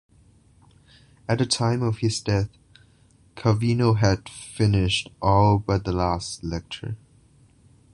At the time of his death Calvino had finished all but the last lecture.